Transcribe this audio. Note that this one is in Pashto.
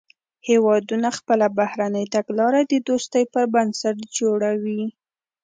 هیوادونه خپله بهرنۍ تګلاره د دوستۍ پر بنسټ جوړوي